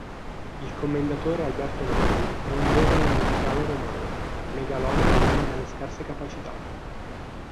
Il commendatore Alberto Nardi è un giovane industriale romano, megalomane ma dalle scarse capacità.